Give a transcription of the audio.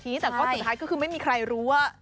ข้อสุดท้ายไม่มีใครรู้ว่า